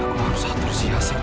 aku harus atur siasat